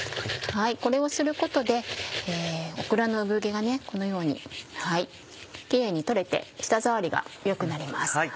これをすることでオクラの産毛がこのようにキレイに取れて舌触りが良くなります。